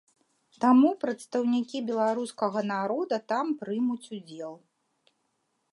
Таму прадстаўнікі беларускага народа там прымуць удзел.